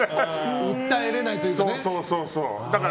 訴えられないというかね。